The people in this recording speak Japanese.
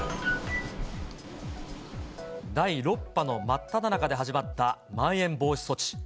第６波の真っただ中で始まったまん延防止措置。